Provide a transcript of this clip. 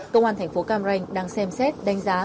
công an thành phố cam ranh đang xem xét đánh giá